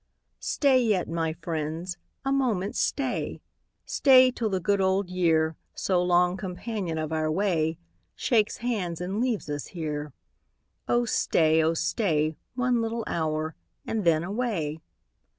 Stat yet, my friends, a moment stay — Stay till the good old year, So long companion of our way, Shakes hands, and leaves ns here. Oh stay, oh stay. One little hour, and then away.